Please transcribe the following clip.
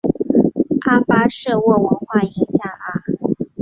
阿巴舍沃文化影响了。